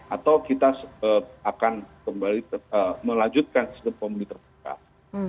atau kita akan kembali melanjutkan sistem pemilu tertutup